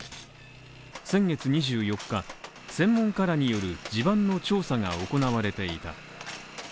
先月２４日、専門家らによる地盤の調査が行われていた。